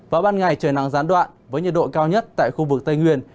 vào ban ngày trời nắng gián đoạn với nhiệt độ cao nhất tại khu vực tây nguyên